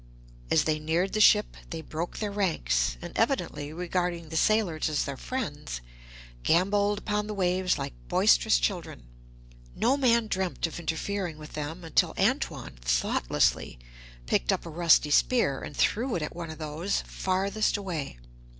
As they neared the ship they broke their ranks, and evidently regarding the sailors as their friends, gambolled upon the waves like boisterous children. No man dreamt of interfering with them until Antoine thoughtlessly picked up a rusty spear and threw it at one of those farthest away.